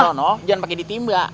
jangan pakai ditimba